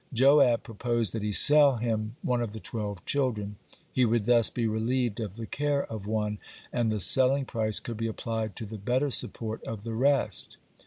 Joab proposed that he sell him one of the twelve children; he would thus be relieved of the care of one, and the selling price could be applied to the better support of the rest.